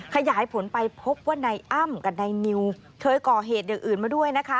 ขยายผลไปพบว่านายอ้ำกับนายนิวเคยก่อเหตุอย่างอื่นมาด้วยนะคะ